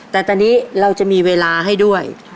แต่ตอนนี้เราจะมีเวลาให้ด้วย